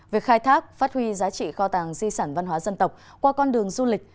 việc khai thác phát huy giá trị kho tàng di sản văn hóa dân tộc qua con đường du lịch